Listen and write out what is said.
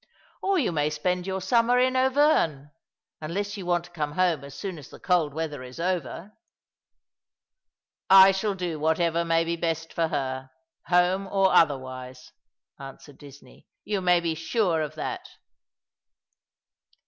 " Or you may spend your summer in Auvergne — unless you want to come homo as soon as the cold weather is over." " I shall do whatever may be best for her — home or other wise," answered Disney. " You may be sure of that.'